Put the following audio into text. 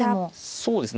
そうですね。